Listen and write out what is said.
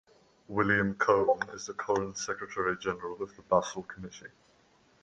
William Coen is the current Secretary General of the Basel Committee.